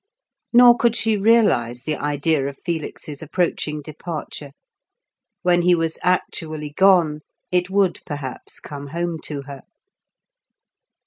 Nor could she realize the idea of Felix's approaching departure; when he was actually gone, it would, perhaps, come home to her.